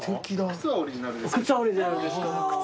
靴はオリジナルですか。